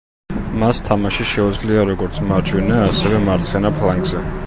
მას თამაში შეუძლია როგორც მარჯვენა, ასევე მარცხენა ფლანგზე.